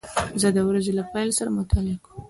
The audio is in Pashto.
زه د ورځې له پیل سره مطالعه کوم.